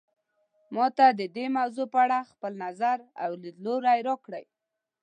ما ته د دې موضوع په اړه خپل نظر او لیدلوری راکړئ